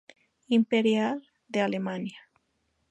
Imperial de Alemania.